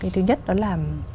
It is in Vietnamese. thứ nhất đó là